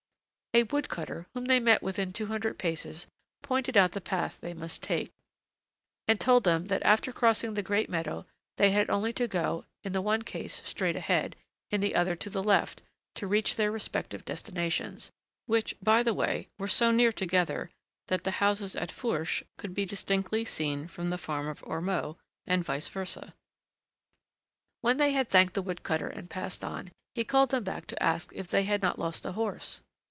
A wood cutter, whom they met within two hundred paces, pointed out the path they must take, and told them that after crossing the great meadow they had only to go, in the one case straight ahead, in the other to the left, to reach their respective destinations, which, by the way, were so near together that the houses at Fourche could be distinctly seen from the farm of Ormeaux, and vice versa. When they had thanked the wood cutter and passed on, he called them back to ask if they had not lost a horse.